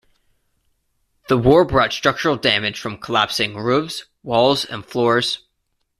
The war brought structural damage from collapsing roofs, walls and floors.